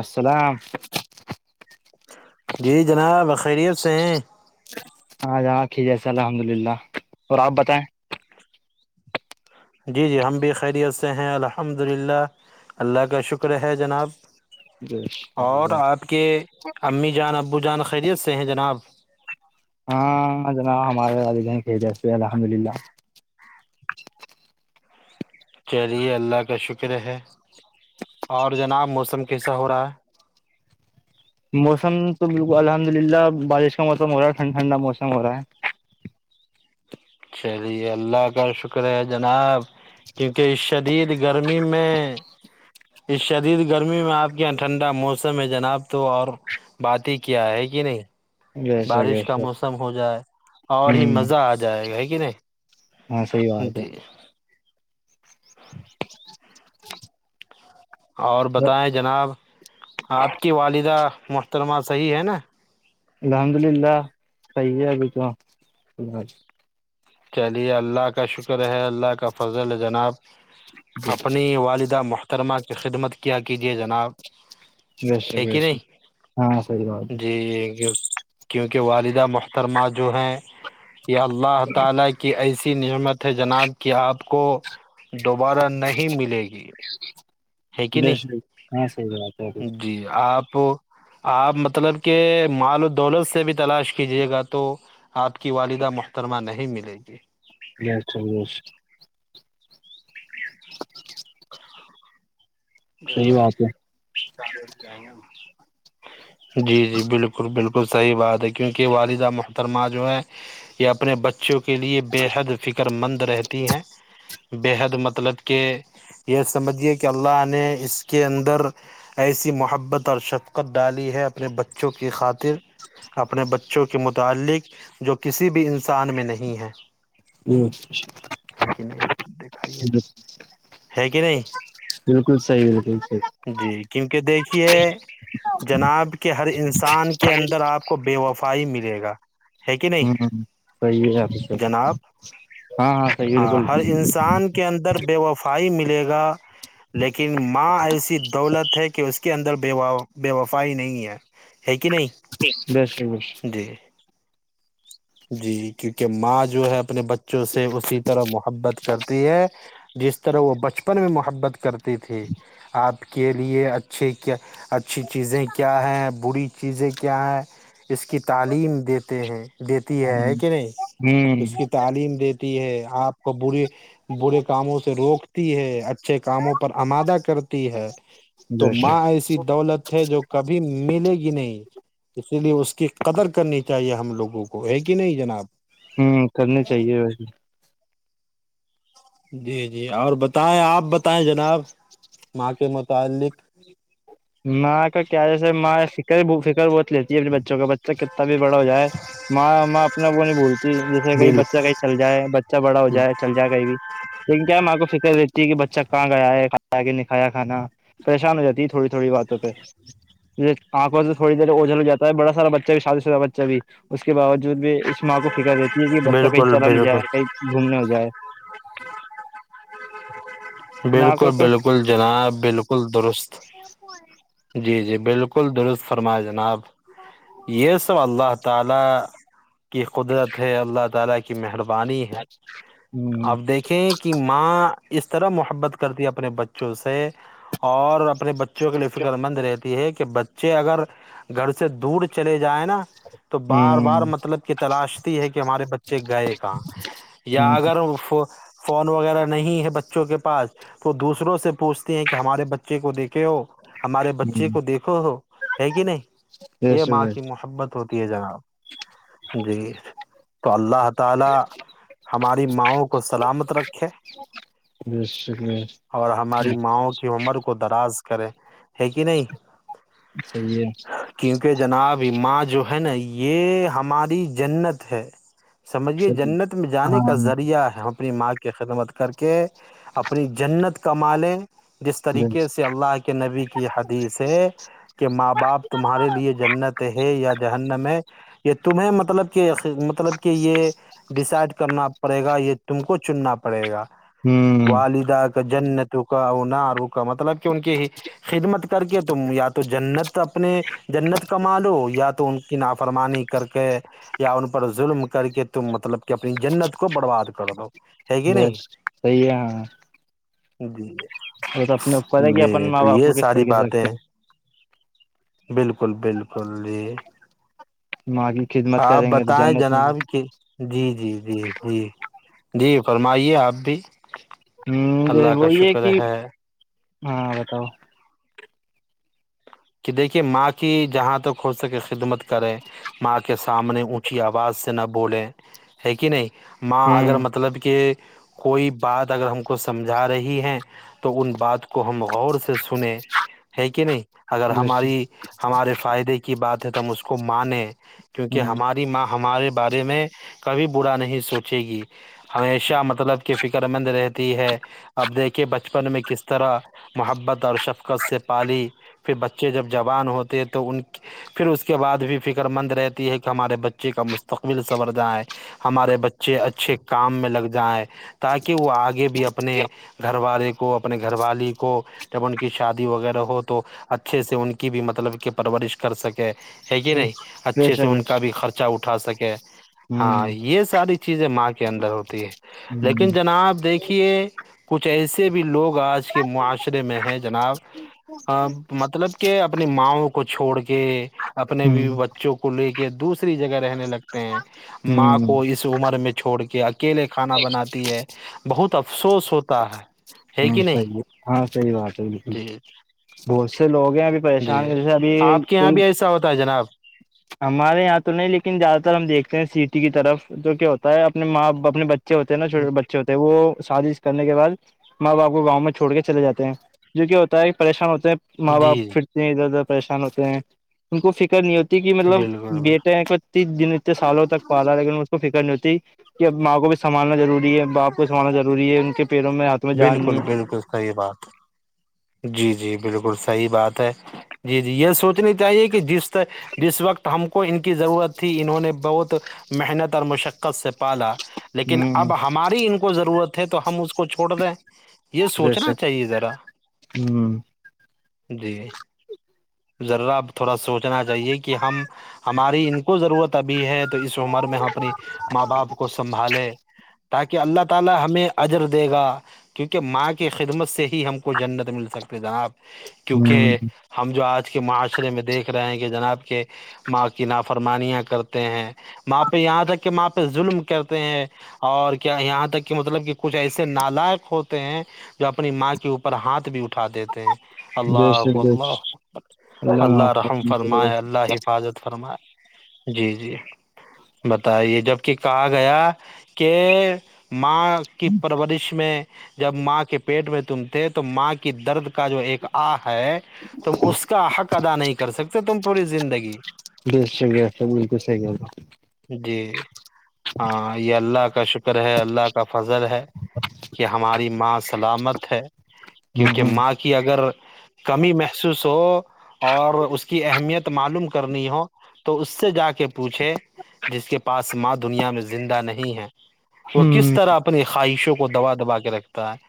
السلام جی جناب خیریت سے ہیں ہاں جاک جیسے الحمد للہ اور آپ بتائیں جی جی ہم بھی خیریت سے ہیں الحمد للہ اللہ کا شکر ہے جناب اور آپ کے امی جان ابو جان خیریت سے ہیں جناب ہاں جناب ہمارے وال جی سے الحمد للہ [inaudible] چلیے اللہ کا شکر ہے اور جناب موسم کیسا ہو رہا ہے موسم تو بالکل الحمد للہ بارش کا موسم ہو رہا ٹھنڈاٹھنڈا موسم ہو رہا ہے چلیے اللہ کا شکر ہے جناب کیونکہ شدید گرمی میں اس شدید گرمی میں آپ کے یہاں ٹھنڈا موسم ہے جناب تو اور بات ہی کیا ہے کہ نہیں ہے ویسے بارش کا ویسے موسم ہو جائے اور ہی ہوں مزہ آ جائے گا ہے کہ نہیں ہاں سی بات ہے جی اور ہے بتائیں جناب آپ کی والدہ محترمہ صحیح ہے نا الحمد للہ صحیح ہےب تو چلیے اللہ کا شکر ہے اللہ کا فضل ہے جناب جی۔ اپنی والدہ محترمہ کی خدمت کیا کیجئے جناب بے شک ہے بے کہ شک ہاں صحیح بات نہیں جی گ کیونکہ والدہ محترمہ جو ہیں یا اللہ تعالا کی ایسی نعمت ہے جناب کہ آپ کو دوبارہ نہیں ملے گی ہے کہ بے نہیں شک ہاں سی بات ہے رہ جی آپ آپ مطلب کہ مال و دولت سے بھی تلاش کیجیے گا تو آپ کی والدہ محترمہ نہیں ملے گی جیشر جیش [unintelligible] گھر صحیح والی بات ہے سار جیں گے ہم جی جی بالکل بالکل صحیح بات ہے کیونکہ والدہ محترمہ جو ہے یہ اپنے بچوں کے لئے بے حد فکر مند رہتی ہیں بے حد مطلب کہ یہ سمجھیے کہ اللہ نے نے اس کے اندر ایسی محبت اور شفقت ڈالی ہے اپنے بچوں کی خاطر اپنے بچوں کے متعلق جو کسی بھی انسان میں نہیں ہے کہ نہیں دیکھائیے ہے کہ نہیں بالکل صحی بالکل صحی جی کیونکہ دیکھیے جناب کے ہر انسان کے اندر آپ کو بے وفائی ملے گا ہے کہ نہیں ہوں سیح ہے آپ جناب ہاں ہاں صحیح بالکل انسان کے اندر بے وفائی ملے گا ن ماں ایسی دولت ہے کہ اس کی کے اندر ب بے وفائی نہیں ہے ہے کہ نہیں بس ج [unintelligible] جی جی کیونکہ ماں جو ہے اپنے بچوں سے اسی طرح محبت کرتی ہے جس طرح وہ بچپن میں محبت کرتے تھے آپ کے لیے اچھی کیا اچھی چیزیں کیا ہیں بری چیزیں کیا ہیں اس کی تعلیم دیتے ہیں دیتی ہے کہ نہیں ہ اس کی تعلیم دیتی ہے آپ کو بے برے کاموں سے روکتی ہے اچ اچھے کاموں پر آمادہ کرتی ہے تو بیسٹ ماں ایسی دولت ہے جو کبھی ملے گی نہیں اسی لیے اس کی قدر کرنی چاہیے ہم لوگوں کو ہے کہ نہیں جناب ہوں کرنے چاہیے ویسے جی جی اور بتائیں آپ بتائیں جناب ماں کے متعلق ماں کا کیا جیسے م فکر ہی فکر بوت لی اپنے بچوں کا بچہ کتنا بھی بڑا ہو جائے ماں ماں اپنا کو نہیں بھولتی جیسے کہئی بال بچہ کہ چل جائے بچہ بڑا ہو جائے چل جائے کہیں بھی لیکن کیا ماں کو فکر رہتی ہے کہ بچہ کہاں گیا ہے کھایا کہ نہیں کایا کھانا پریشان ہو جاتی ہے تھوڑی تھوڑی باتوں پہ ج آنکھوں سے تھڑی دیر اوجل ہو جا ہےڑا سا بچہ بھی شادی سادہ بچہ بھی اس کے باوجود بھی اس ماں کو فکر رہتی ہے کہ بچہ کہیں بالکل چلا نہیں جائے بالکل کہیں گھومنے ہو جائے ماں کو بالکل تو بالکل جناب بالکل درست جی جی بالکل درست فرمایا جناب یس سب اللہ تعالی کی قدرت ہے اللہ تعالی کی محرب بانی ہے ہ اب دیکھیں کہ ماں اس طرح محبت کرتی ہے اپنے بچوں سے اور اپنے بچوں کے لیے فکر مند رہتی ہے کہ بچے اگر گھر سے دور چلے جائیں نا تو بار ہوں بار مطلب کہ تلاشتی ہے کہ ہمارے بچے گئے کہاں یا ہ ہ اگر فون وغیرہ نہیں ہے بچوں کے پاس وہ دوسروں سے پوچھتے ہیں کہ ہمارے بچے کو دیکھے ہو ہمارے بچے کو دیکھو ہو ہے کہ نہیں بس بس یہ ماں بس کی محبت ہوتی ہے جناب جی تو اللہ تعالی ہماری ماؤں کو سلامت رکھے جشکری [unintelligible] اور ہماری ماںں کی عمر کو دراز کرے ہے کہ نہیں [unintelligible] صحی ہے [unintelligible] کیونکہ جناب ماں جو ہے نا یہ ہماری جنت ہے سمجھیے صحیح جنت میں جانے کا ہاں ذریعہ ہے اپنی ماں کی خدمت کر کے اپنی جنت کما لیں جس طریقے بس سے اللہ کے نبی کی حدیث ہے کہ ماں باپ تمہارے لیے جنت ہے یا جہنم ہے یہ تمہیں مطلب کہ مطلب کہ یہ ڈیسائڈ کرنا پڑے گا یہ تم کو چننا پڑے گا ہوں والدہ کا جنت کا اننارو کا مطلب کہ ان کی ہی خدمت کر کے تم یا تو جنت اپنے جنت کما لو یا تو ان کی نافرمانی کر کے یا ان پر ظلم کر کے تم مطلب کہ اپنی جنت کو برباد کر دو ہے کہ نہیں بس صی ہے ہاں [unintelligible] جی وہ تو اپنے اوپر ہے کہ جی اپن ماں تو باپ یہ کو کس ساری طریقے سے باتیں رکھتے بالکل بالکل جی مگی [unintelligible] آاںپ بتائیں جناب کہ [unintelligible] جی جی جی جی جی فرمائیے آپ بھی ہ اللہ وہ کا یہ ہے شکر کہ ہاں بتاؤ [unintelligible] کہ دیکھیے ماں کی جہاں تک ہو سکے خدمت کرے ماں کے سامنے اونچی آواز سے نہ بولیں ہے کہ نہیں ماں اگر ہوں مطلب کہ کوئی بات اگر ہم کو سمجھا رہی ہے تو ان بات کو ہم غور سے سنیں ہے کہ نہیں اگر بس ہماری ہمارے فائدے کی بات ہے تو ہم اس کو مانیں کیونکہ ہ ہمارے ماں ہمارے بارے میں کبھی برا نہیں سوچے گی ہمیشہ مطلب کی فکر مند رہتی ہے اب دیکھے بچپن میں کس طرح محبت اور شفقت سے پالی پھر بچے جب جوبان ہوتے تو ان [unintelligible] پھر اس کے بعد بھی فکر مند رہتی ہے کہ ہمارے بچے کا مستقبل سنور ج ہے [unintelligible] ہمارے بچے اچھے کام میں لگ جائائےیں تاکہ وہ آگے بھی اپنے گھر والے کو اپنے گھر والی کو جب ان کی شادی وغیرہ ہو تو اچھے سے ان کی بھی مطلب کہ پرورش کر سکے ہے کہ نہیں بش اچھے بش سے ان کا ہوں بھی خرچہ اٹھا سکے ہاں یہ ساری چیزیں ماں کے اندر ہوتی ہے ہ لیکن جناب دیکھیے کچھ ایسے بھی لوگ آج کے معاشرے میں ہیں جناب مطلب کہ اپنی ماں کو چھوڑ کے اپنے ہ بچوں کو لے کے دوسری جگہ رہنے لگتے ہیں ماں ہ کو اس عمر میں چھوڑ کے اچھا کیلے کھانا بناتی ہے بہت افسوس ہوتا ہے ہے ہ کہ نہیں صحیح ہے ہاں صحیح بات ہے بالکل جی بہت سے لوگ ہیں ابھی جی پریشان جیسے ابھی آپ کے یہاں کوئی بھی ایسا ہوتا ہے جناب ہمارے یہاں تو نہیں لیکن زیادہ تر ہم دیکھتے ہیں سٹی کی طرف جو کیا ہوتا ہے اپنے ماں اپنے بچے ہوتے نا چھوٹے بچے ہوتے ہیں وہ شادی کرنے کے بعد ماں باپ کو گاؤں میں چھوڑ کے چلے جاتے ہیں جو کیا ہوتا ہے پریشان ہوتے ہیں ماں جی باپ جی پھرتے ہیں ادھر ادھر پریشان ہوتے ہیں ان کو فکر نہیں ہوتی کہ مطلب بالکل بالکل بیٹے ا دن اتنے سالوں تک پا رہا ہے لیکن اس کو فکر نہیں ہوتی کہ اب ماں کو بھینھالنا ضوری ہے باپ کو سنبھنا ضوری ہے ان کے پیروں میں آتا بالکل بالکل صحیح بات جی جی بالکل صحیح بات ہے جی جی یہ سوچنی چاہیے کہ جس جس وقت ہم کو ان کی ضرورت تھی انہوں نے بہت محنت اور مشقت سے پالا لیکن ہے ہ اب ہماری ان کو ضرورت ہے تو ہم اس کو چھوڑ دیں یہ جیسے سوچنا چاہیے ذرا جی ذرا تھوڑا سوچنا چاہیے کہ ہم ہماری ان کو ضرورت ابھی ہے تو اس عمر میں ہم اپنی ماں باپ کو سنبھالے تاکہ اللہ تعالی ہمیں اجر دے گا کیونکہ ماں کی خدمت سے ہی ہم کو جنت مل سکتی جناب کیونکہ ہ ہم جو آج کے معاشرے میں دیکھ رہے ہیں کہ جناب کے ماں کی نافرمانیاں کرتے ہیں وہاں پہ یہاں تک کہ وہاں پہ ظلم کرتے ہیں اور کیا یہاں تک کہ مطلب کہ کچھ ایسے نام لائق ہوتے ہیں جو اپنی ماں کے اوپر ہاتھ بھی اٹھا دیتے اللہ جیسے اللہ معاف اللہ رحم کرنے کے لیے۔ فرمائے اللہ حفاظت فرما جی جی بتائیے جب کہ کہا گیا کہ ماں کی پرورش میں جب ماں کے پیٹ میں تم تھے تو ماں کی درد کا جو ایک آ ہے تم اس کا حق ادا نہیں کر سکتے تم پوری زندگی سےگےا بک س گے جی ہاں یہ اللہ کا شکر ہے اللہ کا فضل ہے کہ ہماری ماں سلامت ہے کیونکہ ماں کی اگر کمی محسوس ہو اور اس کی اہمیت معلوم کرنی ہو تو اس سے جا کے پوچھے جس کے پاس ماں دنیا میں زندہ نہیں ہے وہ کس طرح اپنی خواہشوں کو دبا دبا کے رکھتا ہے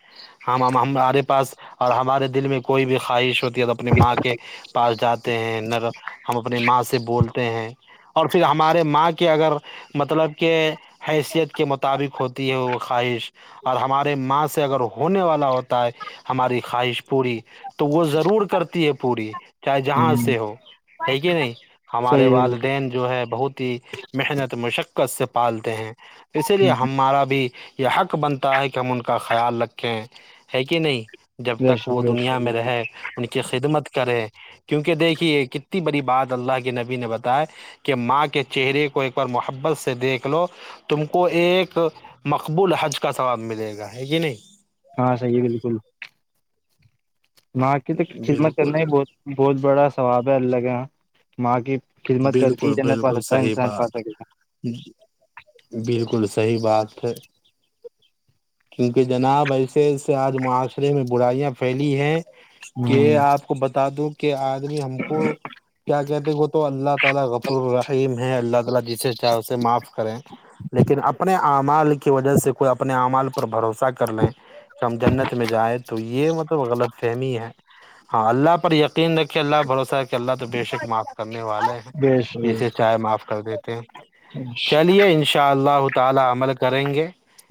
ہم ہمارے پاس اور ہمارے دل میں کوئی بھی خواہش ہوتی اپنی ماں کے پاس جاتے ہیں نر ہم اپنی ماں سے بولتے ہیں اور پھر ہمارے ماں کے اگر مطلب کہ حیثیت کے مطابق ہو ہوتی ہے وہ خواہش اور ہمارے ماں سے اگر ہونے والا ہوتا ہے ہماری خواہش پوری تو وہ ضرور کرتی ہے پوری چاہے جہاں ہوں سے ہو ہےیک نہیں ہمارے صحیح ہے والدین جو ہے بہت ہی محنت مشقت سے پالتے ہیں اسی لیے ہمارا بھی یہ حق بنتا ہے کہ ہم ان کا خیال رکھیں ہے کہ نہیں جب بے تک شک وہ بے دنیا شک میں بالکل رہے ان کی خدمت کرے کیونکہ دیکھیے کتنی بڑی بات اللہ کے نبی نے بتایا کہ ماں کے چہرے کو ایک بار محبت سے دیکھ لو تم کو ایک مقبول حج کا سواد ملے گا ہے یہ نہیں ہاں صحیح بالکل وہاں کی تو خدمت کرنا ہی بہت بہت بڑا ثواب ہے اللہ کے یہاں ماں کی خدمت کرتی ہی بالکل جنت پا بالکل سکتا ہے صحیح انسان پا بات سکے گ بالکل صحی بات ہے کیونکہ جناب ایسے ایسے آج معاشرے میں برائیاں پھیلی ہیں کہ ہوں آپ کو بتا دوں کہ آدمی ہم کو کیا کہتے تو اللہ تعالی غفر الرحیم ہے اللہ تعالی جسے چاہے اسے معاف کریں لیکن اپنے اعمال کی وجہ سے کوئی اپنے اعمال پر بھروسہ کر لیں کہ ہم جنت میں جائیں تو یہ مطلب غلط فہمی ہے ہاں اللہ پر یقین رکھ کے اللہ بھروسہ رکھ کے اللہ تو بے شک معاف کرنے والے ہیں بے جسے چائے معاف کر دیتے ہیں شک چلیے ان شاء اللہ ہوتا تالا عمل کریں گے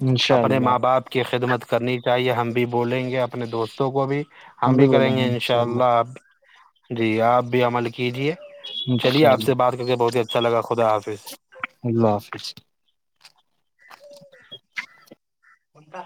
انشاء اپنے اللہ ماں باپ کے کی خدمت کرنی چاہیے ہم بھی بولیں گے اپنے دوستوں کو بھی ہم بھی کریں گے ان شاء اللہ آپ جی آپ بھی عمل کیجیے چلیے انشاء آپ سے اللہ بات کر کے بہت ہی اچھا لگا خدا حافظ اللہ حافظ اننتا